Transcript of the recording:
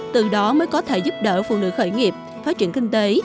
từ đó mới có thể giúp đỡ phụ nữ khởi nghiệp phát triển kinh tế